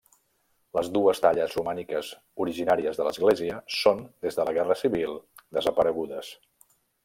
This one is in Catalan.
Les dues talles romàniques originàries de l'església són, des de la guerra civil, desaparegudes.